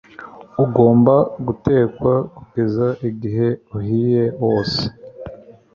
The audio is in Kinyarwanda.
Ugomba gutekwa kugeza igihe uhiye wose